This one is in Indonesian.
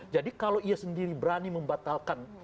jadi kalau ia sendiri berani membatalkan